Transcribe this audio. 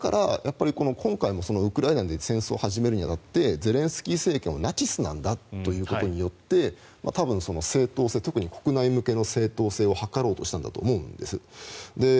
今回もウクライナで戦争を始めるに当たってゼレンスキー政権をナチスなんだと言うことによって正当性特に国内向けの正当性を図ろうとしたんだと思うんです。